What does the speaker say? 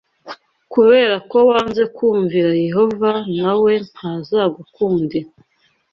Kubera ko wanze kumvira Yehova na we ntazagukundira